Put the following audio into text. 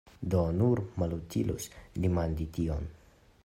Do, nur malutilus demandi tion!